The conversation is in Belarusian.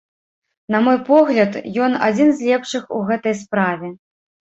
На мой погляд, ён адзін з лепшых у гэтай справе.